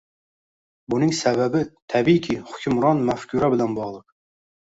Buning sababi, tabiiyki, hukmron mafkura bilan bogʻliq.